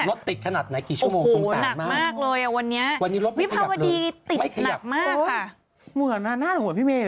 ลดติดขนาดไหนกี่ชั่วโมงสงสารมาก